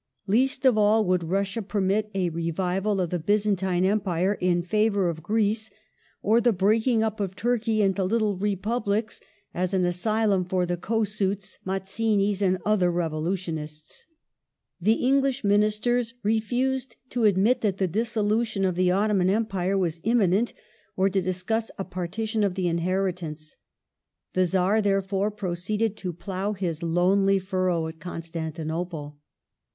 Least of all would Russia permit a revival of the Byzantine Empire in favour of Greece, or the "breaking up of Turkey into little Republics, as an asylum for the Kossuths, Mazzinis, and other revolutionists ". The English Ministers re fused to admit that the dissolution of the Ottoman Empire was imminent, or to discuss a partition of the inheritance.^ The Czar, therefore, proceeded to plough his lonely furrow at Constantinople.